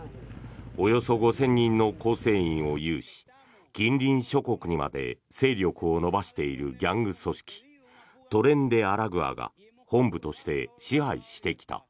およそ５０００人の構成員を有し近隣諸国にまで勢力を伸ばしているギャング組織トレンデアラグアが本部として支配してきた。